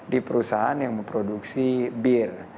di perusahaan yang memproduksi bir